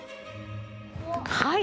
はい！